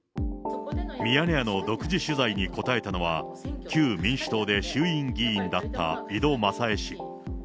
ミヤネ屋の独自取材に答えたのは、旧民主党で衆院議員だった井戸まさえ氏。